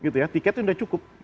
tiket itu sudah cukup